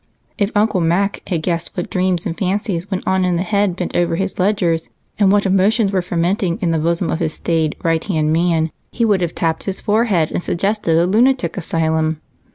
If Uncle Mac had guessed what dreams and fancies went on in the head bent over his ledgers, and what emotions were fermenting in the bosom of his staid "right hand man," he would have tapped his forehead and suggested a lunatic asylum.